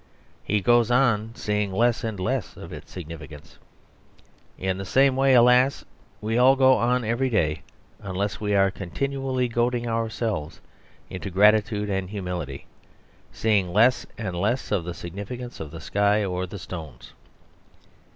He goes on seeing less and less of its significance. In the same way, alas! we all go on every day, unless we are continually goading ourselves into gratitude and humility, seeing less and less of the significance of the sky or the stones.